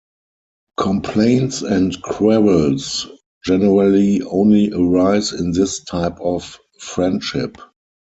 Complaints and quarrels generally only arise in this type of friendship.